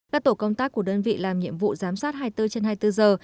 các tổ công tác của đơn vị làm nhiệm vụ giám sát hai mươi bốn trên hai mươi bốn giờ